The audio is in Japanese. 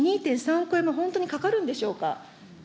人件費２．３億円も本当にかかるんでしょうか。